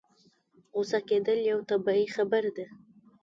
غوسه کېدل يوه طبيعي خبره ده.